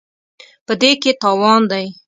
په دې کې تاوان دی.